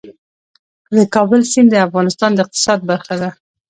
د کابل سیند د افغانستان د اقتصاد برخه ده.